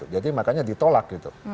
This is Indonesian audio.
jadi makanya ditolak